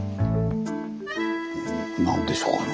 何でしょうかね。